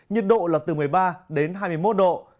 nhiệt độ là từ một mươi ba đến hai mươi một độ